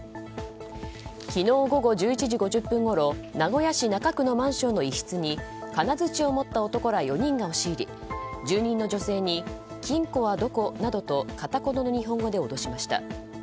昨日午後１１時５０分ごろ名古屋市中区のマンションの一室に金づちを持った男ら４人が押し入り住人の女性に金庫はどこなどと片言の日本語で脅しました。